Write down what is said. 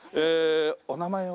お名前は？